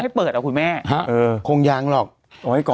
ต้องให้เปิดหรอคุณแม่คงยังหรอกเอาไว้ก่อนไหม